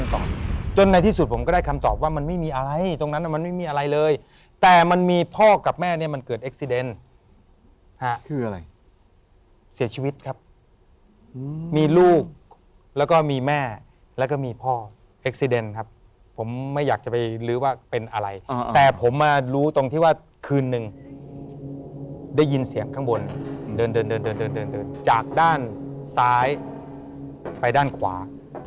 ลงก็เลยลุกขึ้นมา